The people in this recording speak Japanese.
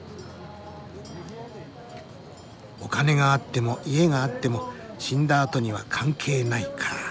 お金があっても家があっても死んだ後には関係ないか。